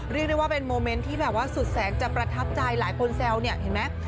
เรียกได้ว่าเป็นโมเมนต์ที่แบบว่าสุดแสงจะประทับใจหลายคนแซวเนี่ยเห็นไหม